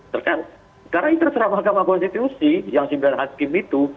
sekarang karena itu adalah mahkamah konstitusi yang sebenarnya hakim itu